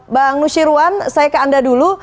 bang nusyirwan saya ke anda dulu